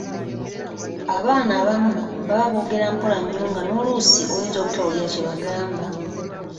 Abaana abamu baba boogera mpola nnyo nga n’oluusi oyinza obutawulira kye bagamba.